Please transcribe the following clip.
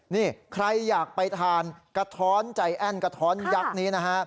นี่ใครอยากไปทานกระท้อนใจแอ้นกระท้อนยักษ์นี้นะฮะ